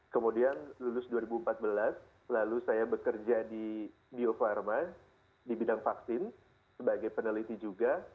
kemudian lulus dua ribu empat belas lalu saya bekerja di bio farma di bidang vaksin sebagai peneliti juga